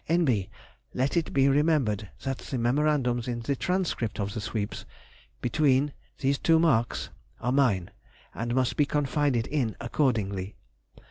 N.B.—Let it be remembered that the memorandums in the transcript of the sweeps between ||——|| are mine, and must be confided in accordingly.